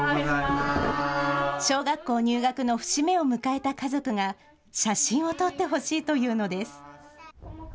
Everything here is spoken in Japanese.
小学校入学の節目を迎えた家族が写真を撮ってほしいというのです。